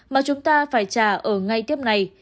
mà chúng ta phải trả ở ngay tiếp này